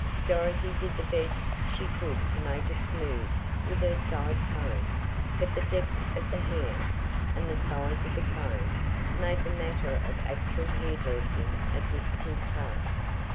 Dorothy did the best she could to make it smooth with her side comb, but the depth of the hair, and the size of the comb, made the matter of actual hair dressing a difficult task.